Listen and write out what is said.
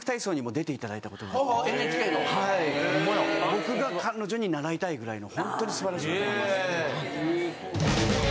僕が彼女に習いたいぐらいのホントに素晴らしい方なんです。